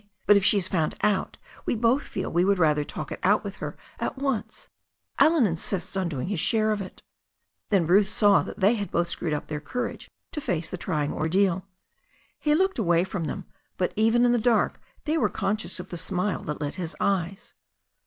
But if she has found out we both feel we would rather talk it out with her at once« Allen insists on doing his share of it." Then Bruce saw that they had both screwed up their courage to face the trying ordeal. He looked away from them, but even in the dark they were conscious of the smile that lit up his eyes.